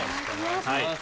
はい。